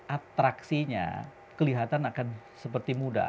atraksinya kelihatan akan seperti muda